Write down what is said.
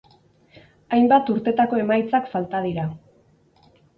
Hainbat urtetako emaitzak falta dira.